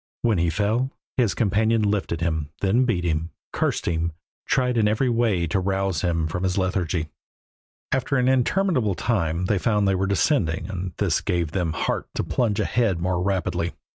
When he fell his companion lifted him, then beat him, cursed him, tried in every way to rouse him from his lethargy. After an interminable time they found they were descending and this gave them heart to plunge ahead more rapidly.